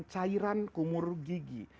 cairan kumur gigi